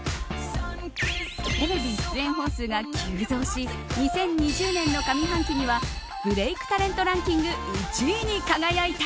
テレビ出演本数が急増し２０２０年の上半期にはブレイクタレントランキング１位に輝いた。